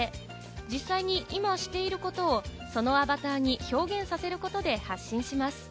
実際に今していることをそのアバターに表現させることで発信します。